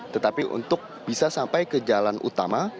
tetapi untuk bisa sampai ke jalan utama